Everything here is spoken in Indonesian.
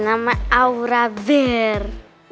nama aura bear